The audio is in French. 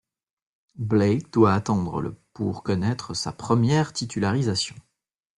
Blake doit attendre le pour connaître sa première titularisation.